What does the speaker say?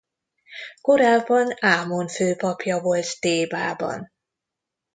Korábban Ámon főpapja volt Thébában.